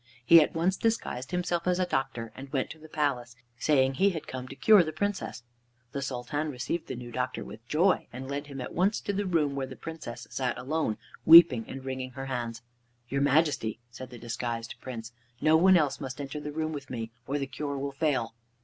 He at once disguised himself as a doctor and went to the palace, saying he had come to cure the Princess. The Sultan received the new doctor with joy, and led him at once to the room where the Princess sat alone, weeping and wringing her hands. "Your Majesty," said the disguised Prince, "no one else must enter the room with me, or the cure will fail."